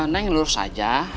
neng lurus aja